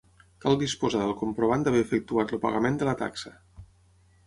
Cal disposar del comprovant d'haver efectuat el pagament de la taxa.